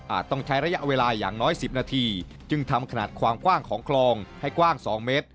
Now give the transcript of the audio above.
ต้องใช้ระยะเวลาอย่างน้อย๑๐นาทีจึงทำขนาดความกว้างของคลองให้กว้าง๒เมตร